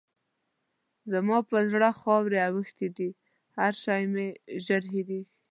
زما پر زړه خاورې اوښتې دي؛ هر شی مې ژر هېرېږي.